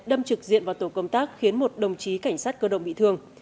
đâm trực diện vào tổ công tác khiến một đồng chí cảnh sát cơ động bị thương